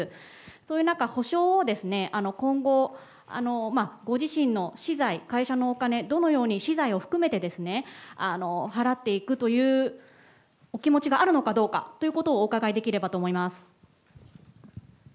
そういう中、補償を今後、ご自身の私財、会社のお金、どのように私財を含めて払っていくというお気持ちがあるのかどうかということをお伺いできればと思います。